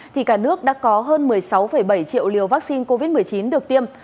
thì cả nước đã có hơn một mươi sáu bảy triệu liều vaccine covid một mươi chín được tiêm